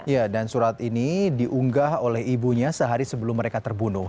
ya dan surat ini diunggah oleh ibunya sehari sebelum mereka terbunuh